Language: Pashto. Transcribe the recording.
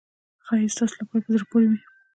ښایي ستاسو لپاره په زړه پورې وي.